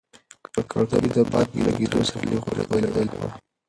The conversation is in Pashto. کړکۍ د باد په لګېدو سره لږه ښورېدلې وه.